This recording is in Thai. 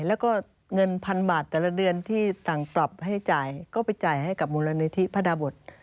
แล้วก็เงินพันบาทแต่ละเดือนที่สั่งปรับให้จ่ายก็ไปจ่ายให้กับมูลนิธิพระดาบท